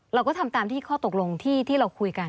เราก็ทำตามที่ข้อตกลงที่เราคุยกัน